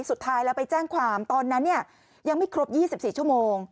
สุดท้ายแล้วไปแจ้งความตอนนั้นยังไม่ครบ๒๔ชั่วโมง